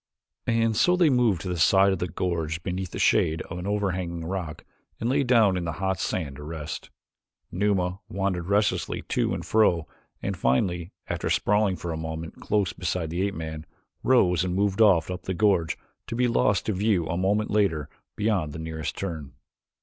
And so they moved to the side of the gorge beneath the shade of an overhanging rock and lay down in the hot sand to rest. Numa wandered restlessly to and fro and finally, after sprawling for a moment close beside the ape man, rose and moved off up the gorge to be lost to view a moment later beyond the nearest turn.